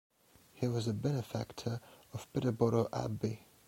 He was a benefactor of Peterborough Abbey.